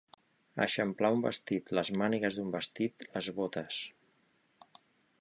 Eixamplar un vestit, les mànigues d'un vestit, les botes.